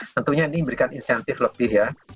tentunya ini memberikan insentif lebih ya